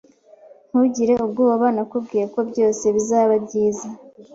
Ntugire ubwoba. Nakubwiye ko byose bizaba byiza.